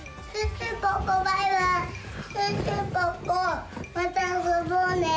シュッシュポッポまたあそぼうね！